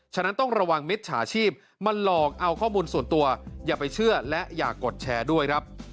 ฉะนั้นต้องระวังมิจฉาชีพมาหลอกเอาข้อมูลส่วนตัวอย่าไปเชื่อและอย่ากดแชร์ด้วยครับ